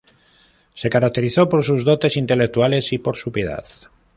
Se caracterizó por sus dotes intelectuales y por su piedad.